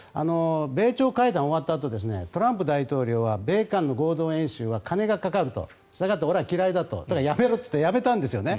米朝会談が終わったあとトランプ大統領は米韓の合同演習は金がかかるとしたがって俺は嫌いだとだからやめると言ってやめたんですよね。